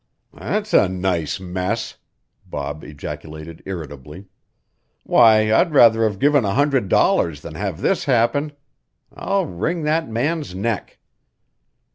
"That's a nice mess!" Bob ejaculated irritably. "Why, I'd rather have given a hundred dollars than have this happen. I'll wring that man's neck!"